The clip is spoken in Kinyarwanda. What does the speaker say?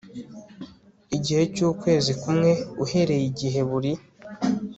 gihe cy ukwezi kumwe uhereye igihe buri